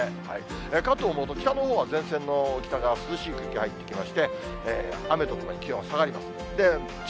関東も北のほうは前線の北側涼しい空気入ってきまして、雨とともに気温下がります。